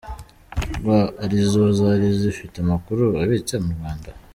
Rw ari zo zari zifite amakuru abitse mu Rwanda.